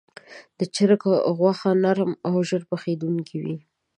د چرګ غوښه نرم او ژر پخېدونکې وي.